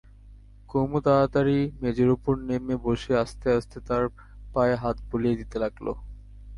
কুমু তাড়াতাড়ি মেজের উপর নেমে বসে আস্তে আস্তে তার পায়ে হাত বুলিয়ে দিতে লাগল।